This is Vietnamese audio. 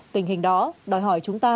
tình hình đó đòi hỏi chúng ta